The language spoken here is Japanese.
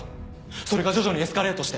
それが徐々にエスカレートして。